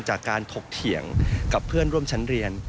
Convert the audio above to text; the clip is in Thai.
จากการถกเถียงกับเพื่อนร่วมชั้นเรียน